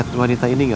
itu udah orang tuh